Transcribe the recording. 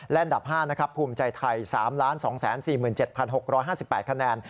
และอันดับ๕นะครับภูมิใจไทย๓๒๔๗๖๕๘คะแนน